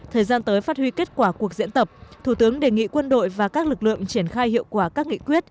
thời gian tới phát huy kết quả cuộc diễn tập thủ tướng đề nghị quân đội và các lực lượng triển khai hiệu quả các nghị quyết